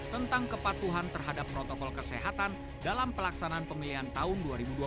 tentang kepatuhan terhadap protokol kesehatan dalam pelaksanaan pemilihan tahun dua ribu dua puluh